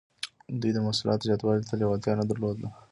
دوی د محصولاتو زیاتوالي ته لیوالتیا نه درلوده.